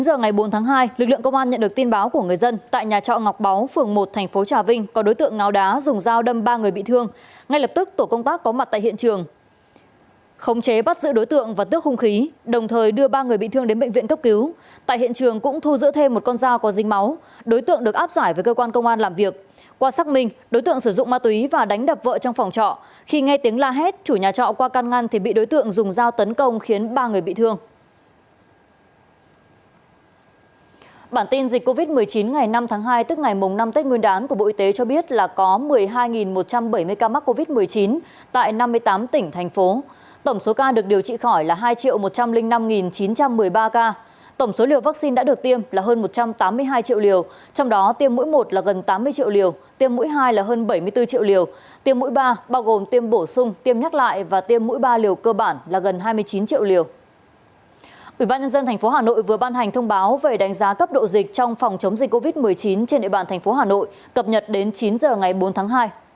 ủy ban nhân dân tp hà nội vừa ban hành thông báo về đánh giá cấp độ dịch trong phòng chống dịch covid một mươi chín trên địa bàn tp hà nội cập nhật đến chín h ngày bốn tháng hai